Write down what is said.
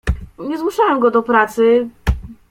"Nie zmuszałem go do pracy..."